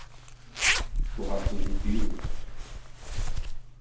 Bu haksızlık değil mi?